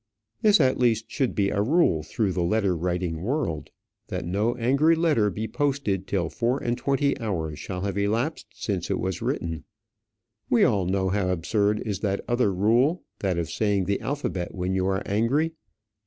This at least should be a rule through the letter writing world: that no angry letter be posted till four and twenty hours shall have elapsed since it was written. We all know how absurd is that other rule, that of saying the alphabet when you are angry.